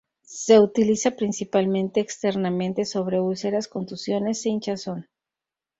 Se utiliza principalmente externamente sobre úlceras, contusiones e hinchazón.